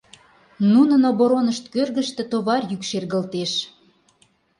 Нунын оборонышт кӧргыштӧ товар йӱк шергылтеш.